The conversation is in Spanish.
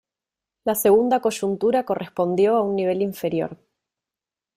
La segunda coyuntura correspondió a un nivel inferior.